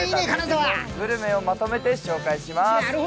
グルメをまとめて紹介します。